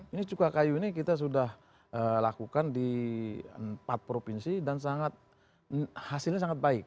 ini cuka kayu ini kita sudah lakukan di empat provinsi dan hasilnya sangat baik